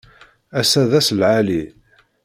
Ass-a d ass lɛali.